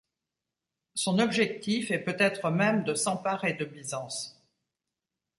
Son objectif est peut-être, même, de s'emparer de Byzance.